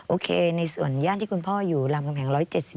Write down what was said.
โอเคในส่วนย่านที่คุณพ่ออยู่รามกำแหง๑๗๐